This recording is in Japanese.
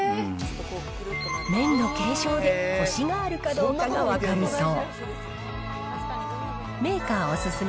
麺の形状でこしがあるかどうかが分かるそう。